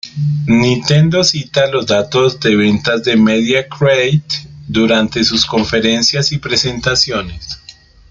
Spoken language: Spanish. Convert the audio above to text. Nintendo cita los datos de ventas de "Media Create" durante sus conferencias y presentaciones.